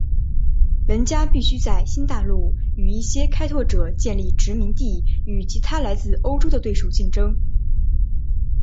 玩家必须在新大陆与一些开拓者建立殖民地与其他来自欧洲的对手竞争。